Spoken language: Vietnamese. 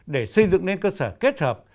để xây dựng nên cơ sở kết hợp